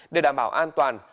để đảm bảo an toàn